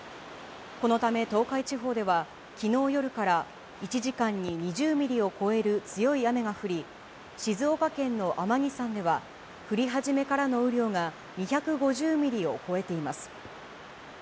このため東海地方では、きのう夜から１時間に２０ミリを超える強い雨が降り、静岡県の天城山では、降り始めからの雨量が２５０ミリを超えています。